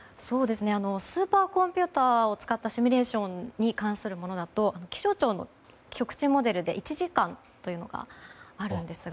スーパーコンピューターを使ったシミュレーションに関するものだと気象庁のモデルで１時間というのがあるんですが。